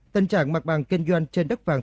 tình trạng mặt bằng kinh doanh trên đất vàng